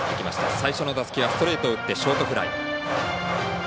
最初の打席はストレートを打ってショートフライ。